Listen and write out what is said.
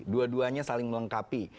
dua duanya saling melengkapi